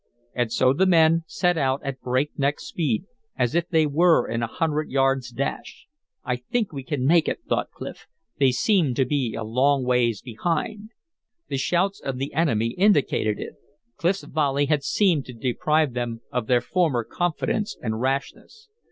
And so the men set out at breakneck speed, as if they were in a hundred yard's dash. "I think we can make it," thought Clif. "They seem to be a long ways behind." The shouts of the enemy indicated it; Clif's volley had seemed to deprive them of their former confidence and rashness.